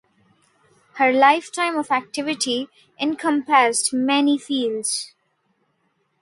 Her lifetime of activity encompassed many fields.